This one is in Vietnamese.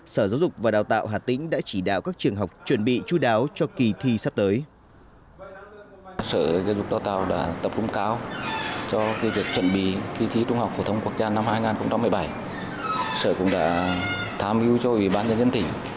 sở giáo dục và đào tạo hà tĩnh đã chỉ đạo các trường học chuẩn bị chú đáo cho kỳ thi sắp tới